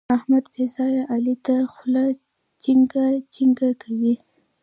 احمد بې ځايه علي ته خوله چينګه چینګه کوي.